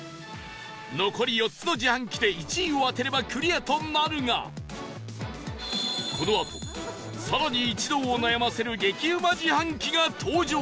残り４つの自販機で１位を当てればクリアとなるがこのあと更に一同を悩ませる激うま自販機が登場